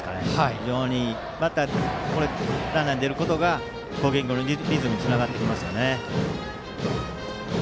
非常にランナーに出ることが攻撃のリズムにつながってきますよね。